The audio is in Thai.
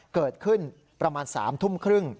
เกิดขึ้นประมาณ๓ทุ่มครึ่ง